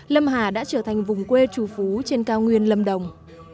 lâm hà đã trở thành vùng quê trù phú trên cao nguyên lâm đồng